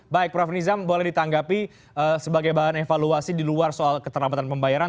baik prof nizam boleh ditanggapi sebagai bahan evaluasi di luar soal keterlambatan pembayaran